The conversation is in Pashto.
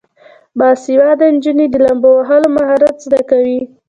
باسواده نجونې د لامبو وهلو مهارت زده کوي.